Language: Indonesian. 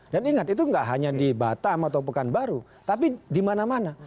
dan ingat itu enggak hanya di batam atau pekanbaru tapi di mana mana